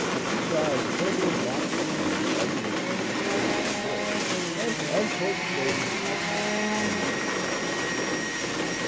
Beside, there were wafted to me evidences of unexplored and uncultivated continents on the other side.